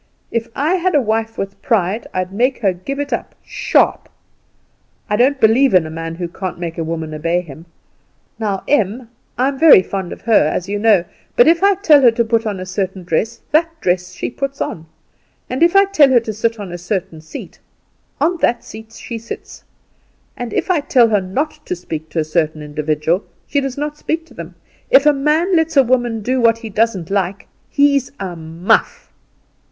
If I had a wife with pride I'd make her give it up, sharp. I don't believe in a man who can't make a woman obey him. Now Em I'm very fond of her, as you know but if I tell her to put on a certain dress, that dress she puts on; and if I tell her to sit on a certain seat, on that seat she sits; and if I tell her not to speak to a certain individual, she does not speak to them. If a man lets a woman do what he doesn't like he's a muff.